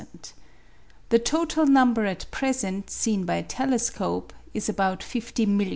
The total number at present seen by telescope is about 50,000,000.